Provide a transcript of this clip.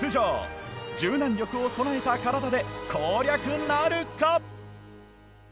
柔軟力を備えた体で攻略なるか！？